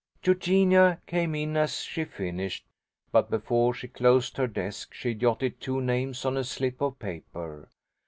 Eugenia came in as she finished, but before she closed her desk she jotted two names on a slip of paper.